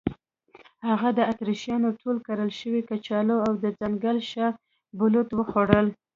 هغوی د اتریشیانو ټول کرل شوي کچالو او د ځنګل شاه بلوط وخوړل.